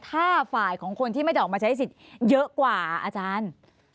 ถ้าฝ่ายของคนที่ไม่ได้ออกมาใช้สิทธิ์เยอะกว่าอาจารย์